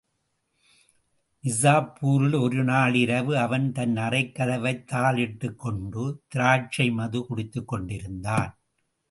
நிஜாப்பூரில் ஒருநாள் இரவு, அவன் தன் அறைக் கதவைத் தாளிட்டுக் கொண்டு, திராட்சை மது, குடித்துக் கொண்டிருந்தான்.